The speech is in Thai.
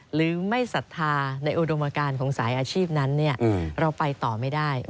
หรือไม่ศรัทธาในอุดมการของสายอาชีพนั้นเราไปต่อไม่ได้